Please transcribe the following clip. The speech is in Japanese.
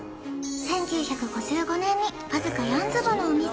１９５５年にわずか四坪のお店